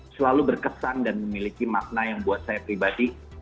selalu berkesan dan memiliki makna yang buat saya pribadi